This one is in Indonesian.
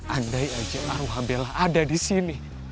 andai aja aruha bella ada disini